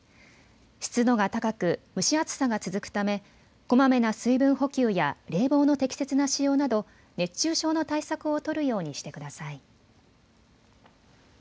湿度が高く蒸し暑さが続くためこまめな水分補給や冷房の適切な使用など熱中症の対策を取るようにしてください。